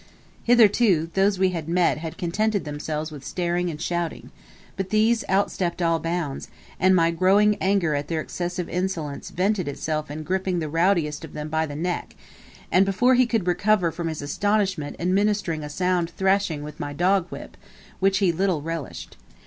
Hitherto, those we had met had contented themselves with staring and shouting; but these outstepped all bounds, and my growing anger at their excessive insolence vented itself in gripping the rowdiest of them by the neck, and before he could recover from his astonishment administering a sound thrashing with my dog whip, which he little relished.